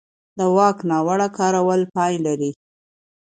د واک ناوړه کارول پای لري